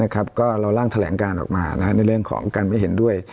ก็เราร่างแถลงการออกมาในเรื่องของการไม่เห็นด้วย